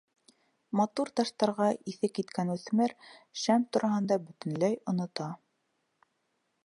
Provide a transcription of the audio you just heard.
Матур таштарға иҫе киткән үҫмер шәм тураһында бөтөнләй онота.